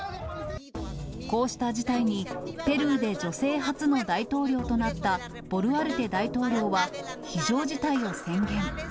こうした事態に、ペルーで女性初の大統領となったボルアルテ大統領は非常事態を宣言。